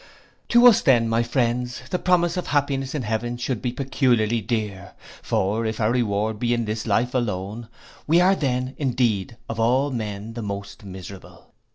To us then, my friends, the promises of happiness in heaven should be peculiarly dear; for if our reward be in this life alone, we are then indeed of all men the most miserable.